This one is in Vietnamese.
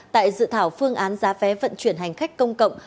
tại dự thảo phương án giá vé vận chuyển hành khách công cộng